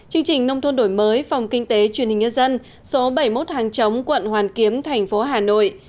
chương trình nông thôn đổi mới phòng kinh tế truyền hình nhân dân số bảy mươi một hàng chống quận hoàn kiếm thành phố hà nội